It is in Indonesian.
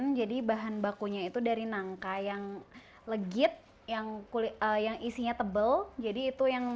yang jadi bahan bakunya itu dari nangka yang legit yang kulit yang isinya tebal jadi itu yang